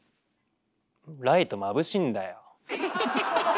ライトまぶしいんだよ。